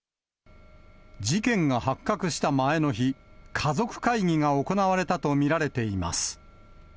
事件が発覚した前の日、家族会議が行われたと見られています。